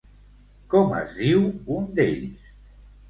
Com es diu un d'ells?